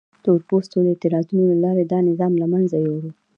تور پوستو د اعتراضونو له لارې دا نظام له منځه یووړ.